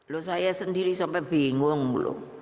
loh saya sendiri sampai bingung belum